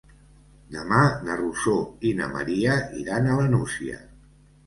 Demà na Rosó i na Maria iran a la Nucia.